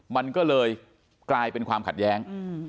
มันก็เลยกลายเป็นความขัดแย้ง